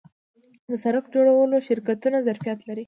د سرک جوړولو شرکتونه ظرفیت لري؟